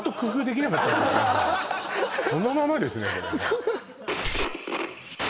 そのままですね